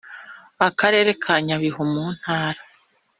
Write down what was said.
karere ka nyabihu mu ntara